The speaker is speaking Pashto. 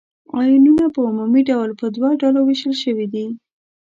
آیونونه په عمومي ډول په دوه ډلو ویشل شوي دي.